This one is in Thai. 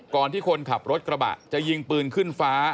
ที่คนขับรถกระบะจะยิงปืนขึ้นฟ้า